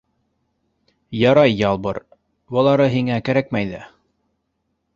Ярай, Ялбыр, былары һиңә кәрәкмәй ҙә.